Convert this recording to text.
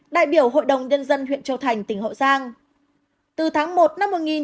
đại biểu hội đồng nhân dân huyện châu thành tỉnh hậu giang